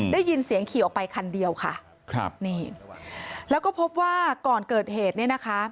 ได้ยินเสียงขี่ออกไปคันเดียวค่ะครับนี่แล้วก็พบว่าก่อนเกิดเหตุเนี่ยนะคะ